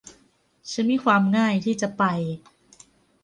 ฉันมีความง่ายที่จะไป